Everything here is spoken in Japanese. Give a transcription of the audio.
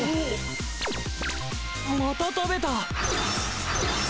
また食べた！